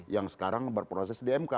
yang sekarang berproses di mk